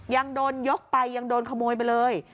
ยังโดนยกไปยังโดนขโมยไปเลย